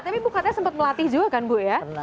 tapi ibu katanya sempat melatih juga kan ibu ya